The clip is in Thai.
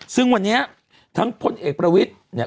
ซึ่งวันนี้ทั้งพลเอกประวิทย์เนี่ย